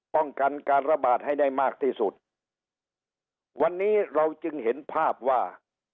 ป้องกันการระบาดให้ได้มากที่สุดวันนี้เราจึงเห็นภาพว่า